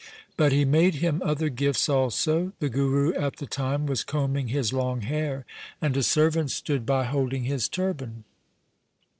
But he made him other gifts also. The Guru at the time was combing his long hair, and a servant stood by holding his turban.